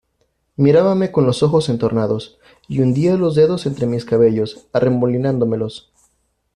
mirábame con los ojos entornados, y hundía los dedos entre mis cabellos , arremolinándomelos.